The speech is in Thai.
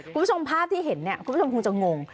คุณผู้ชมภาพที่เห็นเนี่ยคุณผู้ชมคงจะงง